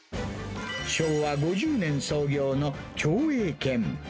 昭和５０年創業の共栄軒。